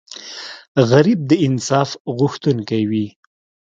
غریب د انصاف غوښتونکی وي